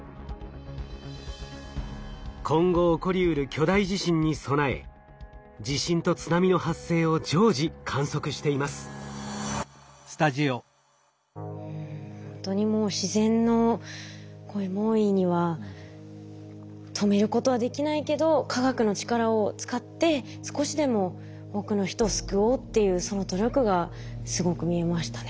今後起こりうる巨大地震に備えほんとにもう自然の猛威には止めることはできないけど科学の力を使って少しでも多くの人を救おうっていうその努力がすごく見えましたね。